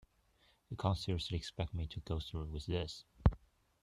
You can't seriously expect me to go through with this?